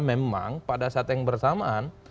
memang pada saat yang bersamaan